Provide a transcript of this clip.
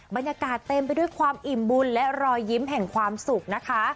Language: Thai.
บรรยากาศเต็มไปด้วยความอิ่มบุญและรอยยิ้มแห่งความสุขนะคะ